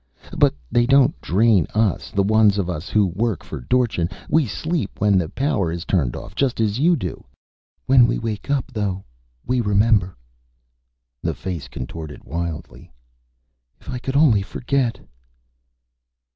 But they don't drain us, the ones of us who work for Dorchin. We sleep when the power is turned off, just as you do. When we wake up, though, we remember." The face contorted wildly. "If I could only forget!"